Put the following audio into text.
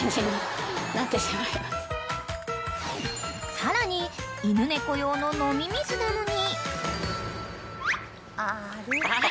［さらに犬猫用の飲み水なのに］